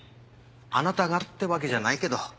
あなたがってわけじゃないけど。